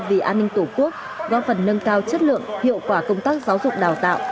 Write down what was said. vì an ninh tổ quốc góp phần nâng cao chất lượng hiệu quả công tác giáo dục đào tạo